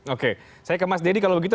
oke saya ke mas deddy kalau begitu